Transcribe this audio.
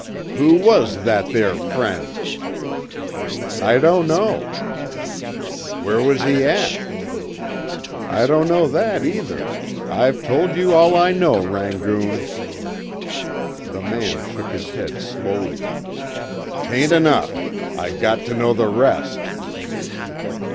"Who was that there friend?" "I don't know." "Where was he at?" "I don't know that either. I've told you all I know, Rangoon." The man shook his head slowly, "'Tain't enough. I got tuh know the rest."